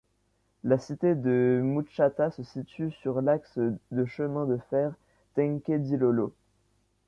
La cité de Mutshatha se situe sur l’axe de chemin de fer Tenke-Dilolo.